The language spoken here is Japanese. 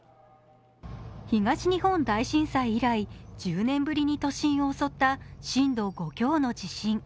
東日本大震災以来１０年ぶりに都心を襲った震度５強の地震。